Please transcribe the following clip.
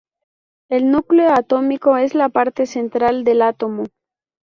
El núcleo atómico es la parte central del átomo.